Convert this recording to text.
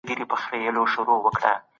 ولي په کابل کي د صنعت لپاره برېښنا مهمه ده؟